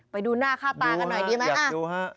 ไปดูหน้าค่าตากันหน่อยดีไหมอ่ะดูฮะ